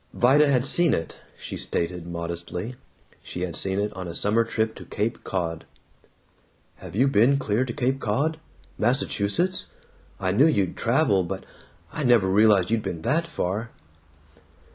Vida had seen it, she stated modestly; she had seen it on a summer trip to Cape Cod. "Have you been clear to Cape Cod? Massachusetts? I knew you'd traveled, but I never realized you'd been that far!"